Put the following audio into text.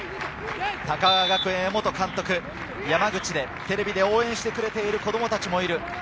高川学園・江本監督、山口でテレビで応援してくれている子供たちもいる。